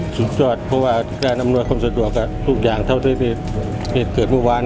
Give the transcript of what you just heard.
สุดยอดเพราะว่าการอำนวยความสะดวกทุกอย่างเท่าที่เหตุเกิดเมื่อวาน